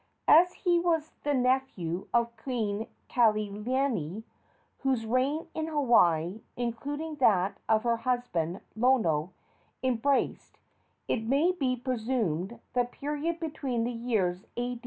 As he was the nephew of Queen Kaikilani whose reign in Hawaii, including that of her husband, Lono, embraced, it may be presumed, the period between the years A.